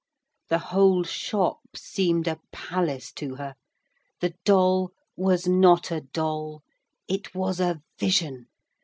The whole shop seemed a palace to her: the doll was not a doll; it was a vision.